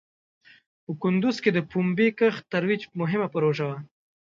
په کندوز کې د پومبې کښت ترویج مهم پروژه وه.